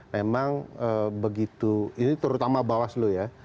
memang begitu ini terutama bawaslu ya